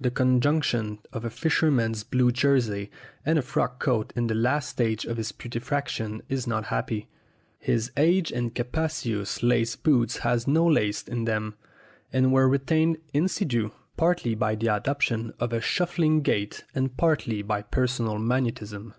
The conjunction of a fisherman's blue jersey and a frock coat in the last stage of putre faction is not happy. His aged and capacious lace boots had no laces in them, and were retained in situ partly by the adoption of a shuffling gait and partly by personal magnetism.